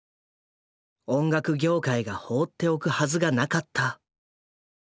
音楽業界が放っておくはずがなかった。